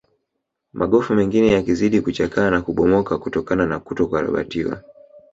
Magofu mengine yakizidi kuchakaa na kubomoka kutokana na kutokarabatiwa